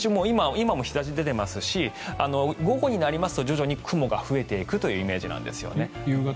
今も日差し出ていますし午後になりますと徐々に雲が増えていくというイメージです。